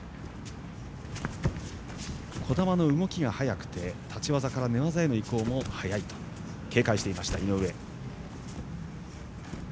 児玉の動きが速くて、立ち技から寝技への移行も速いと警戒していました、井上。